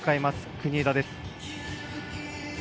国枝です。